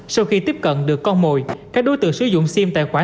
sau khi tiếp cận được con mồi các đối tượng sử dụng sim tài khoản